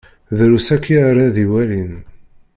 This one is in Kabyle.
Drus akya ara d-iwalin.